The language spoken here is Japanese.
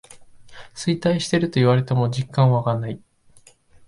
衰退してると言われても実感わかない